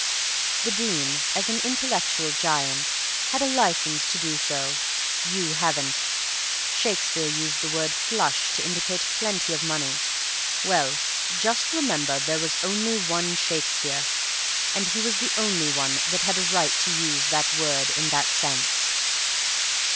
The Dean, as an intellectual giant, had a license to do so you haven't. Shakespeare used the word "flush" to indicate plenty of money. Well, just remember there was only one Shakespeare, and he was the only one that had a right to use that word in that sense.